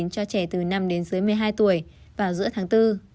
cho trẻ từ năm đến dưới một mươi hai tuổi vào giữa tháng bốn